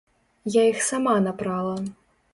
Я іх сама напрала.